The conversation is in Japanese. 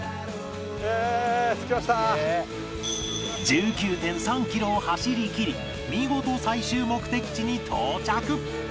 １９．３ キロを走りきり見事最終目的地に到着